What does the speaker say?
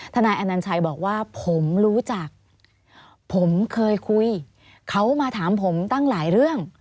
นายอนัญชัยบอกว่าผมรู้จักผมเคยคุยเขามาถามผมตั้งหลายเรื่อง